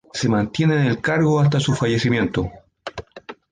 Se mantiene en el cargo hasta su fallecimiento.